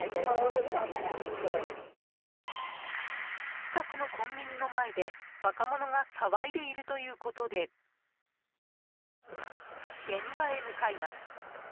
近くのコンビニの前で若者が騒いでいるということで現場へ向かいます。